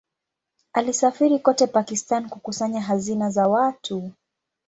Alisafiri kote Pakistan kukusanya hazina za watu.